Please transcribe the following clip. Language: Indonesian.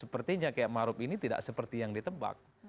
sepertinya kiai ma'ruf ini tidak seperti yang ditebak